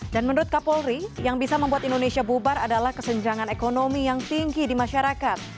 dan menurut kapolri yang bisa membuat indonesia bubar adalah kesenjangan ekonomi yang tinggi di masyarakat